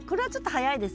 早いです。